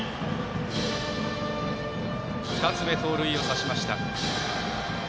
２つ目、盗塁を刺しました。